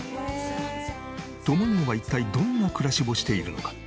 とも姉は一体どんな暮らしをしているのか？